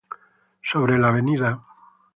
Sobre la Av.